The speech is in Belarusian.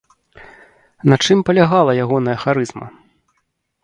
На чым палягала ягоная харызма?